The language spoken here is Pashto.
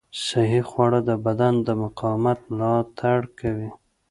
صحي خواړه د بدن د مقاومت ملاتړ کوي.